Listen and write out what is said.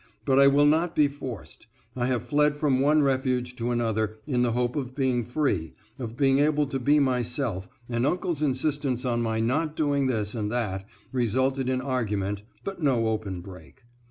But I will not be forced. I have fled from one refuge to another in the hope of being free, of being able to be myself, and uncle's insistence on my not doing this and that, resulted in argument, but no open break.